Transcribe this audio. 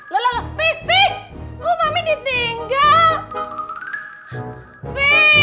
loh loh loh vv gua mendinggal